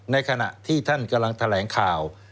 ในขณะที่ท่านกำลังแถลงข่าว